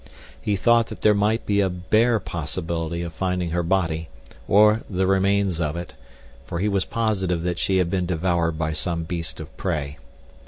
He thought that there might be a bare possibility of finding her body, or the remains of it, for he was positive that she had been devoured by some beast of prey.